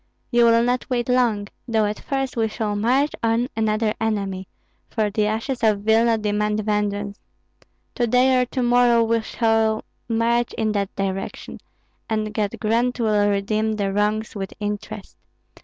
"You will not wait long, though at first we shall march on another enemy, for the ashes of Vilna demand vengeance. To day or to morrow we shall march in that direction, and God grant will redeem the wrongs with interest.